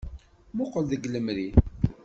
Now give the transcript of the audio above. Muqel deg lemri.